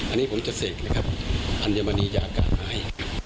อันนี้ผมจะเสกนะครับอัญมณียาอากาศหาย